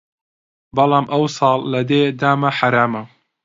بەڵام ئەو ساڵ لە دێ دامە حەرامە